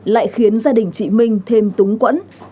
lại khiến gia đình chị minh thêm túng quẫn